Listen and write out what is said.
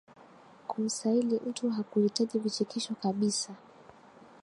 kumsaili mtu hakuhitaji vichekesho kabisa